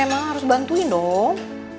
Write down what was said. emang harus bantuin dong